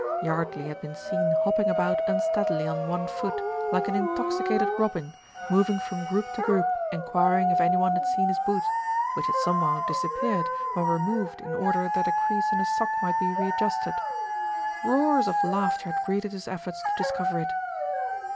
Yardley had been seen hopping about unsteadily on one foot, like an intoxicated robin, moving from group to group enquiring if any one had seen his boot, which had somehow disappeared when removed in order that a crease in his sock might be readjusted. Roars of laughter had greeted his efforts to discover it.